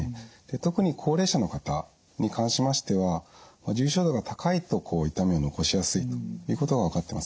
で特に高齢者の方に関しましては重症度が高いと痛みを残しやすいということが分かってます。